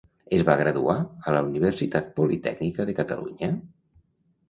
Es va graduar a la Universitat Politècnica de Catalunya?